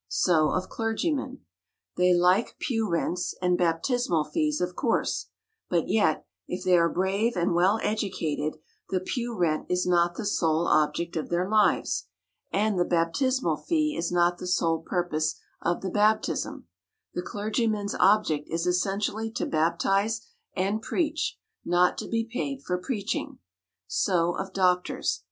So of clergymen. They like pew rents, and baptismal fees, of course; but yet, if they are brave and well educated, the pew rent is not the sole object of their lives, and the baptismal fee is not the sole purpose of the baptism; the clergyman's object is essentially to baptize and preach, not to be paid for preaching. So of doctors.